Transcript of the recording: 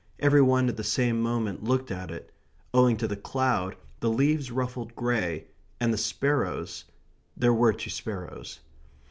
Every one at the same moment looked at it. Owing to the cloud, the leaves ruffled grey, and the sparrows there were two sparrows.